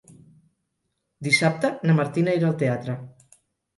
Dissabte na Martina irà al teatre.